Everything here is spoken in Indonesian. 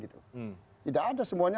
tidak ada semuanya